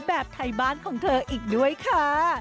แบบไทยบ้านของเธออีกด้วยค่ะ